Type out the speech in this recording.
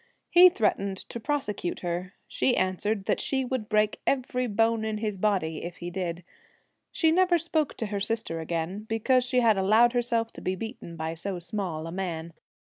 He threatened to prosecute her ; she answered that she would break every bone in his body if he did. She never spoke to her sister again, because she had allowed herself to be beaten by so small a man.